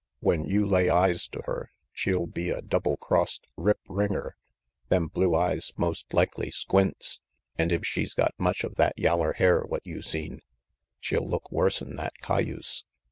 When you lay eyes to her, she'll be a double crossed rip ringer; them blue eyes most likely squints, an* if she's got much of that yeller hair what you seen, she'll look worse'n that cayuse.